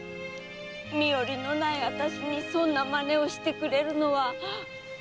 身寄りのないあたしにそんな真似をしてくれるのは。